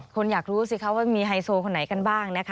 คนอยากรู้สิคะว่ามีไฮโซคนไหนกันบ้างนะคะ